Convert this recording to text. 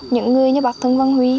những người như bác thân văn huy